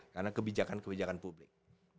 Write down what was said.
karena kebijakan kebijakan publik